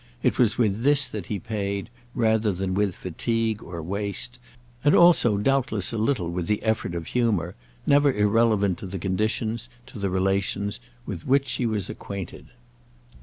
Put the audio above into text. It was with this that he paid, rather than with fatigue or waste; and also doubtless a little with the effort of humour—never irrelevant to the conditions, to the relations, with which he was acquainted.